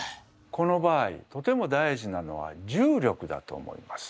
この場合とても大事なのは重力だと思います。